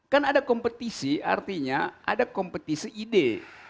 kan ada kompetisi artinya ada kompetisi ide